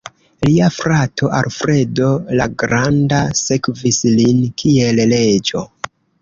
Lia frato Alfredo la Granda sekvis lin kiel reĝo.